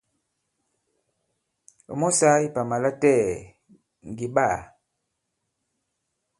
Ɔ̀ mɔ sāā ipàmà latɛɛ̀ ŋgè ɓaā.